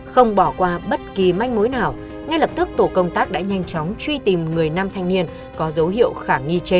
không bỏ qua bất kỳ manh mối nào ngay lập tức tổ công tác đã nhanh chóng truy tìm người nam thanh niên có dấu hiệu khả nghi trên